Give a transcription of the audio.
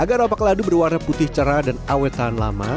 agar opak ladu berwarna putih cerah dan awetan lama